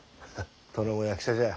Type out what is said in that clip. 殿も役者じゃ。